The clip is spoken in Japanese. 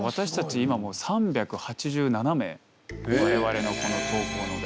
今もう３８７名我々のこの投降延べ。